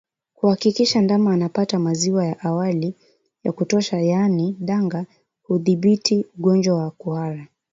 Kuhakikisha ndama anapata maziwa ya awali ya kutosha yaani danga hudhibiti ugonjwa wa kuhara